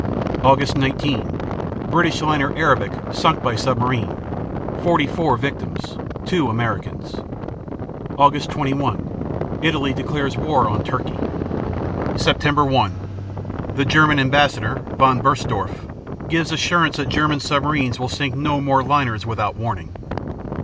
Aug. 19 British liner "Arabic" sunk by submarines (44 victims, two Americans). Aug. 21 Italy declares war on Turkey. _Sept. 1 The German ambassador, von Bernstorff, gives assurance that German submarines will sink no more liners without warning.